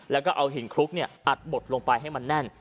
แล้วก็เอาหินคลุกอัดบดลงไปให้มันแน่น